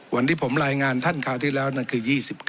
วันที่ผมรายงานท่านที่ก่อนที่แล้วทำคือ๒๙